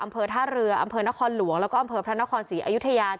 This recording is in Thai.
อำเภอท่าเรืออำเภอนครหลวงแล้วก็อำเภอพระนครศรีอยุธยา